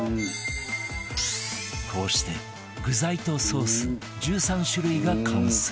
こうして具材とソース１３種類が完成